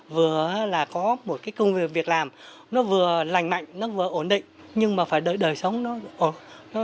vừa là có một cái công việc việc làm nó vừa lành mạnh nó vừa ổn định nhưng mà phải đợi sống nó khá lên